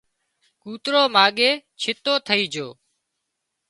ڪوترو ماڳئي ڇتو ٿئي جھو